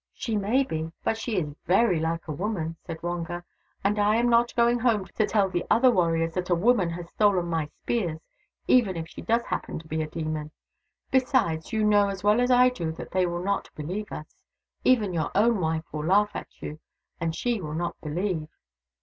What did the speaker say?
" She may be, but she is very like a woman," said Wonga. " And I am not going home to tell the other warriors that a woman has stolen my spears, even if she does happen to be a demon. Besides, you know as well as I do that they will not believe us. Even your own wife will laugh at you, and she will not believe."